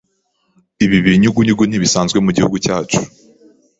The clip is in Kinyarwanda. Ibi binyugunyugu ntibisanzwe mugihugu cyacu.